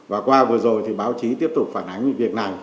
và qua vừa rồi thì báo chí tiếp tục phản ánh việc này